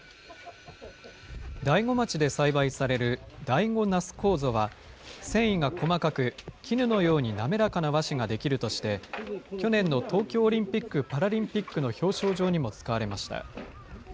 大子町で栽培される大子那須こうぞは、繊維が細かく、絹のように滑らかな和紙が出来るとして、去年の東京オリンピック・パラリンピックの表彰状にも使われました。